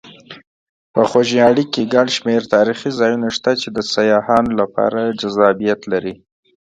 په خوږیاڼي کې ګڼ شمېر تاریخي ځایونه شته چې د سیاحانو لپاره جذابیت لري.